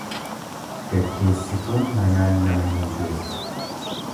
Gaggeessituun manaan nama hin geessu.